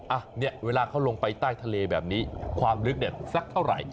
อ่ะเนี่ยเวลาเขาลงไปใต้ทะเลแบบนี้ความลึกเนี่ยสักเท่าไหร่